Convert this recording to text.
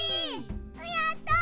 やった！